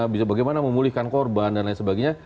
bisa bagaimana memulihkan korban dan lain sebagainya